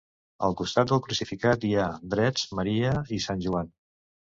Al costat del crucificat hi ha, drets, Maria i Sant Joan.